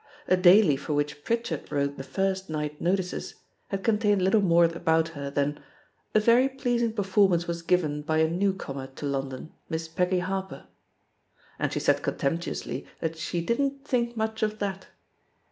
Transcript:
A daily for which Pritchard wrote the first night no ticeSy had contained little more about her than "A very pleasing performance was given by a newcomer to London, Miss Peggy Harper," and she said contemptuously that she ''didn't think much of that.''